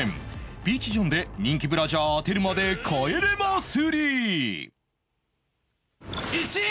ピーチ・ジョンで「人気ブラジャー当てるまで帰れま３」